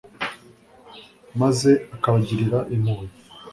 maze akabagirira impuhwe